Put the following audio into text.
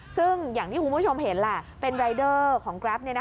ซึ่งอย่างที่คุณผู้ชมเห็นแหละเป็นรายเดอร์ของกราฟต์เนี่ยนะคะ